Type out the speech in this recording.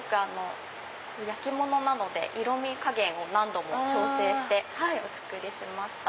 焼き物なので色み加減を何度も調整してお作りしました。